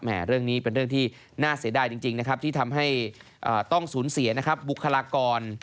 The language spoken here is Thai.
แหมเรื่องนี้เป็นเรื่องที่น่าเสียดายจริงที่ทำให้ต้องสูญเสียบุคลากร